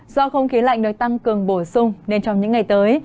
do không khí lạnh được tăng cường bổ sung nên trong những ngày tới